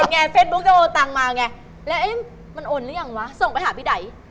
เค้าโอนตังมาอย่างเนี่ย